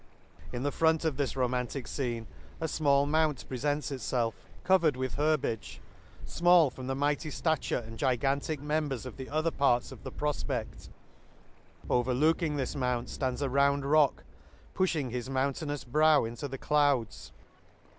— In the front of this romantic fcene a fmall mount prefents itfelf, co vered with herbage; fmall from the mighty ftature and gigantic members of the other parts of the profpedl, — Over looking this mount Hands a round rock, pufhing his mountainous brow into the clouds.